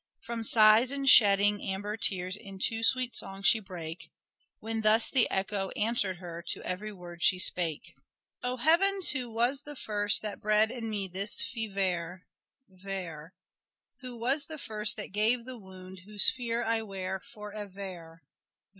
From sighs and shedding amber tears into sweet song she brake, When thus the Echo answer 'd her to every word she spake. 200 " SHAKESPEARE " IDENTIFIED Oh heavens, who was the first that bred in me this fever ?— Vere. Who was the first that gave the wound, whose fear I wear for ever